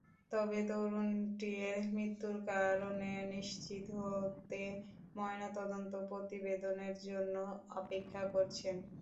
তবে তরুণটির মৃত্যুর কারণ নিশ্চিত হতে ময়নাতদন্ত প্রতিবেদনের জন্য অপেক্ষা করছেন।